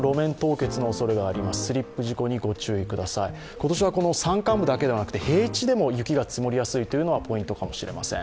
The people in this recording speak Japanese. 今年は山間部だけではなく平地でも雪が積もりやすいというのがポイントかもしれません。